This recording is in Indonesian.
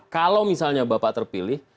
kalau misalnya bapak terpilih